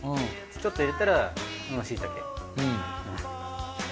ちょっと入れたらしいたけ。